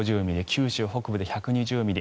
九州北部で１２０ミリ